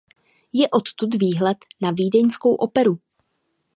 Je odtud výhled na vídeňskou operu.